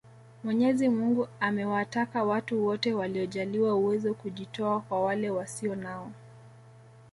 Mwenyezi Mungu amewataka watu wote waliojaliwa uwezo kujitoa kwa wale wasio nao